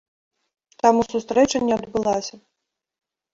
Таму сустрэча не адбылася.